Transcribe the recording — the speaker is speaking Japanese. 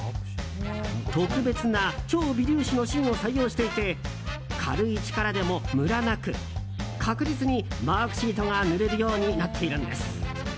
特別な超微粒子の芯を採用していて軽い力でもムラなく確実にマークシートが塗れるようになっているんです。